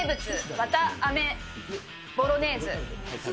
わたあめボロネーズ。